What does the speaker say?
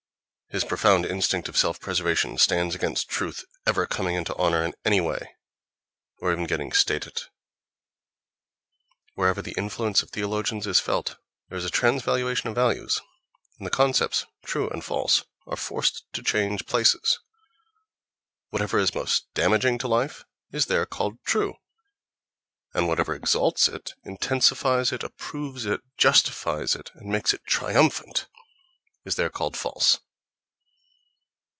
His profound instinct of self preservation stands against truth ever coming into honour in any way, or even getting stated. Wherever the in fluence of theologians is felt there is a transvaluation of values, and the concepts "true" and "false" are forced to change places: whatever is most damaging to life is there called "true," and whatever exalts it, intensifies it, approves it, justifies it and makes it triumphant is there called "false."...